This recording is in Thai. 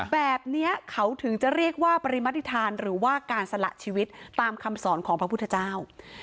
แบบนี้เขาถึงจะเรียกว่าปริมติฐานหรือว่าการสละชีวิตตามคำสอนของพระพุทธเจ้า